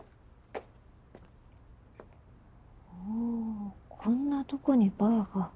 おおこんなとこにバーが。